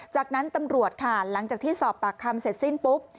จากนั้นตำรวจค่ะหลังจากที่สอบปากคำเสร็จสิ้นปุ๊บ